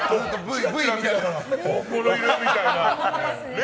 本物だ、みたいな。